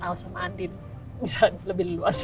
al sama andin bisa lebih luas